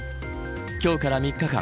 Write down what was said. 今日から３日間